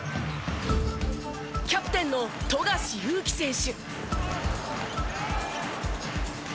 キャプテンの富樫勇樹選手。